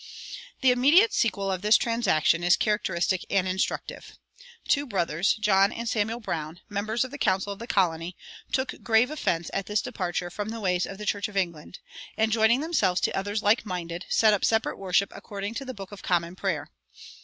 "[97:1] The immediate sequel of this transaction is characteristic and instructive. Two brothers, John and Samuel Browne, members of the council of the colony, took grave offense at this departure from the ways of the Church of England, and, joining to themselves others like minded, set up separate worship according to the Book of Common Prayer.